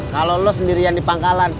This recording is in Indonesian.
kalau lo sendirian di pangkalan